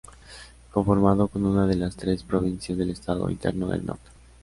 Conformado como una de las tres provincias del estado Interno del Norte.